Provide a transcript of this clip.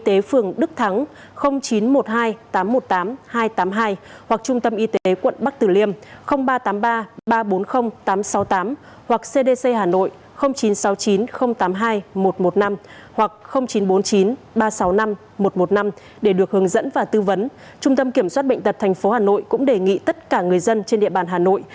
trung tâm kiểm soát bệnh tật tp hà nội cũng đề nghị tất cả người dân trên địa bàn hà nội